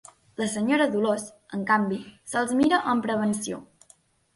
La senyora Dolors, en canvi, se'ls mira amb prevenció.